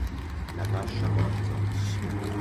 Natasha Morrison